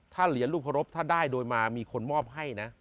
ถ้าเหรียญลูกเคารพถ้าได้โดยมามีคนมอบให้นะ